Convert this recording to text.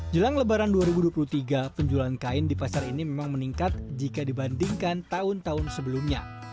jelang lebaran dua ribu dua puluh tiga penjualan kain di pasar ini memang meningkat jika dibandingkan tahun tahun sebelumnya